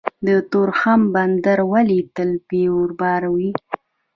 د تورخم بندر ولې تل بیروبار وي؟